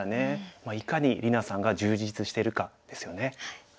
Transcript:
まあいかに里菜さんが充実してるかですよね。